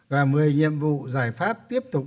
và một mươi nhiệm vụ giải pháp tiếp tục